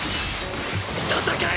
戦え！